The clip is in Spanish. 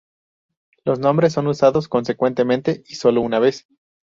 Los nombres son usados consecuentemente y sólo una vez.